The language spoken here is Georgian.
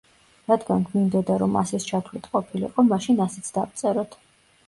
რადგან გვინდოდა რომ ასის ჩათვლით ყოფილიყო, მაშინ ასიც დავწეროთ.